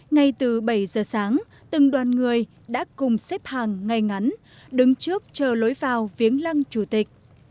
ngay từ bảy giờ sáng từng đoàn người đã cùng xếp hàng ngay ngắn đứng trước chờ lối vào viếng lăng chủ tịch